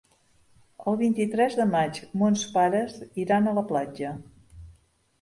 El vint-i-tres de maig mons pares iran a la platja.